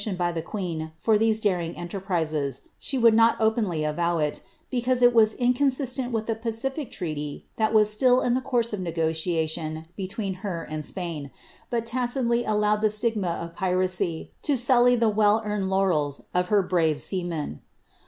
i by the queen for these ^rin; enterprises, she would not opeuiy avow it, because it was inrons;5ieni with the pacific treaty that was still in the course of negotiation between her and Spain, but tacitly allowed the stigma of piracy to sully the well earned laureU of her bravp seamen.